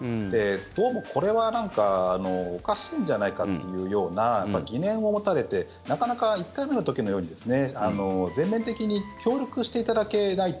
どうも、これはなんかおかしいんじゃないかというような疑念を持たれてなかなか１回目の時のように全面的に協力していただけないと。